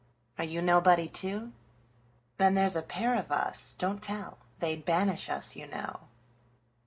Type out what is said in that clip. Are you nobody, too? Then there 's a pair of us—don't tell! They 'd banish us, you know.